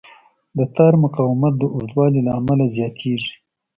د تار مقاومت د اوږدوالي له امله زیاتېږي.